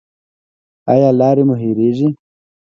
ایا لارې مو هیریږي؟